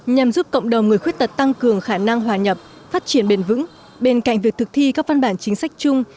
nhằm giúp cộng đồng người khuyết tật tăng cường khả năng hòa nhập phát triển bền vững bên cạnh việc thực thi các văn bản chính sách chung